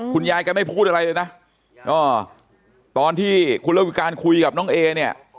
แกไม่พูดอะไรเลยนะตอนที่คุณระวิการคุยกับน้องเอเนี่ย